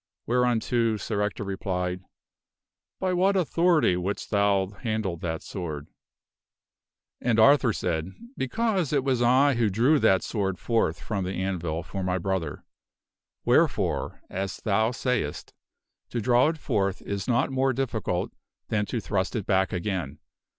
Whereunto Sir Ector replied, " By what authority wouldst thou handle that sword?" And Arthur said, " Because it was I who drew that sword forth from the anvil for my brother. Wherefore, as thou sayest, to draw it forth is not more difficult than to thrust it back again.